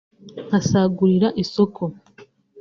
nta sagurira isoko